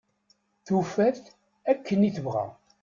Tufa-t akken i tebɣa.